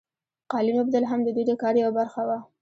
قالین اوبدل هم د دوی د کار یوه برخه وه.